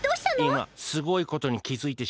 いますごいことにきづいてしまった。